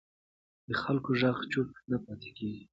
د خلکو غږ چوپ نه پاتې کېږي